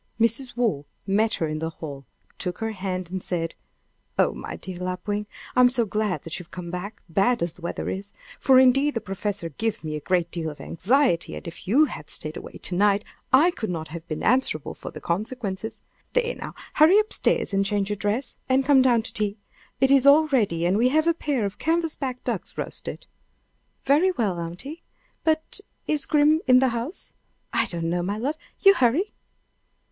Mrs. Waugh met her in the hall, took her hand, and said: "Oh, my dear Lapwing! I'm so glad you have come back, bad as the weather is; for indeed the professor gives me a great deal of anxiety, and if you had stayed away to night I could not have been answerable for the consequences. There, now; hurry up stairs and change your dress, and come down to tea. It is all ready, and we have a pair of canvasback ducks roasted." "Very well, aunty! But is Grim in the house?" "I don't know, my love. You hurry."